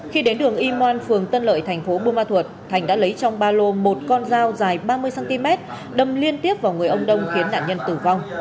khi đến đường y ngoan phường tân lợi thành phố buôn ma thuột thành đã lấy trong ba lô một con dao dài ba mươi cm đâm liên tiếp vào người ông đông khiến nạn nhân tử vong